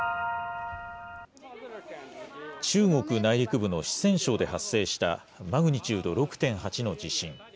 中国内陸部の四川省で発生したマグニチュード６．８の地震。